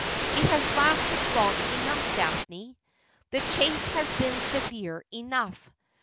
It has lasted long enough, Daphne. The chase has been severe enough.